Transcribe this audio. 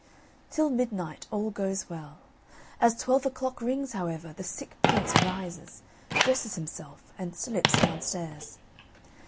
Till midnight all goes well. As twelve o clock rings, however, the sick prince rises, dresses himself, and slips downstairs.